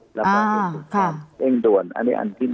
รับรู้ขึ้นกับเองด่วนอันนี้อันที่๑